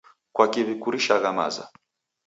Kwaki w'ikurishagha maza?